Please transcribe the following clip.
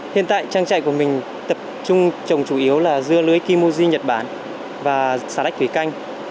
hiện tại trang trại của mình tập trung trồng chủ yếu là dưa lưới kimoji nhật bản và xà lách thủy canh